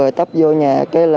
rồi tắp vô nhà